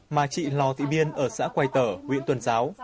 mà chị lò thị biên ở xã quài tở huyện tuần giáo